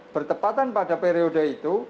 bertepatan pada periode itu